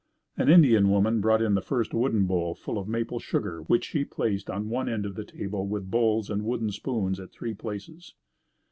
An Indian woman brought in first a wooden bowl full of maple sugar which she placed on one end of the table with bowls and wooden spoons at the three places.